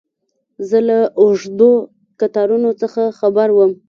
زه له اوږدو کتارونو څه خبر وم.